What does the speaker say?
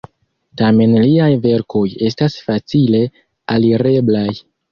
Tamen liaj verkoj estas facile alireblaj.